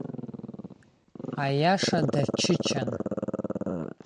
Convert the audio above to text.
Аиаша дачычан.